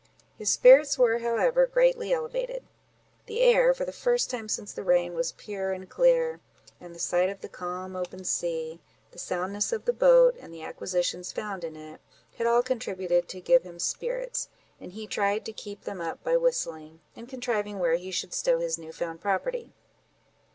His spirits were, however, greatly elevated. The air, for the first time since the rain, was pure and clear, and the sight of the calm open sea, the soundness of the boat, and the acquisitions found in it, had all contributed to give him spirits; and he tried to keep them up by whistling, and contriving where he should stow his new found property.